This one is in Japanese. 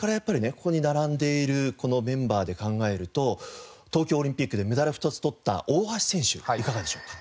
ここに並んでいるこのメンバーで考えると東京オリンピックでメダル２つ取った大橋選手いかがでしょうか？